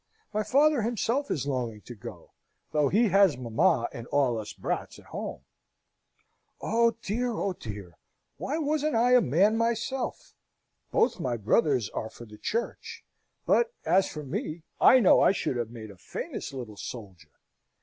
My father himself is longing to go, though he has mamma and all us brats at home. Oh dear, oh dear! Why wasn't I a man myself? Both my brothers are for the Church; but, as for me, I know I should have made a famous little soldier!"